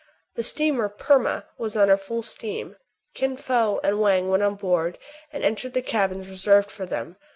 The steamer " Perma " was under full steam. Kin Fo and Wang went on board, and entered the cabins reserved for them.